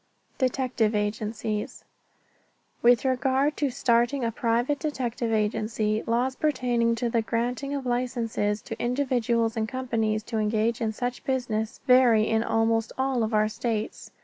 DETECTIVE AGENCIES With regard to starting a private detective agency, laws pertaining to the granting of licenses to individuals and companies to engage in such business vary in almost all of our states.